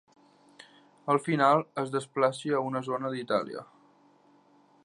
Al final es desplaci a una zona d'Itàlia.